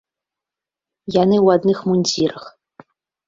Яны ў адных мундзірах.